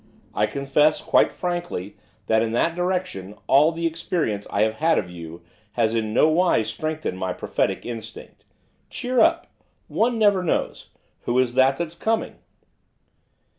I confess, quite frankly, that, in that direction, all the experience I have had of you has in nowise strengthened my prophetic instinct. Cheer up! one never knows! Who is this that's coming?